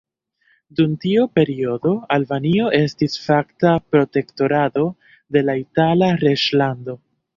Dum tiu periodo Albanio estis fakta protektorato de la Itala reĝlando.